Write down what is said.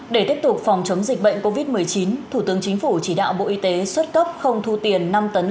để tiếp tục phòng chống dịch bệnh covid một mươi chín thủ tướng chính phủ chỉ đạo bộ y tế xuất cấp không thu tiền năm tấn